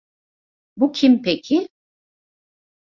Bu kim peki?